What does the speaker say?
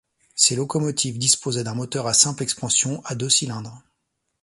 Ces locomotives disposaient d'un moteur à simple expansion à deux cylindres.